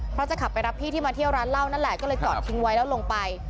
เพราะจะขับไปรับพี่ที่มาเที่ยวร้านเหล้านั่นแหละก็เลยจอดทิ้งไว้แล้วลงไป